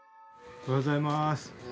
おはようございます。